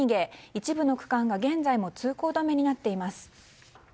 一部の区間が現在も通行止めになっています。